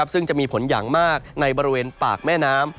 ซึ่งจะมีผลอย่างมากในบริเวณปากแม่น้ำ